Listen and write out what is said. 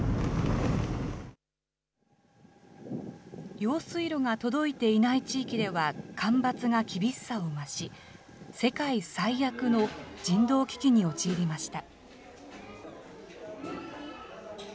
用水路が届いていない地域では、干ばつが厳しさを増し、世界最悪の人道危機に陥りました。